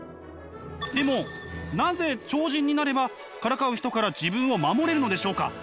でもなぜ超人になればからかう人から自分を守れるのでしょうか？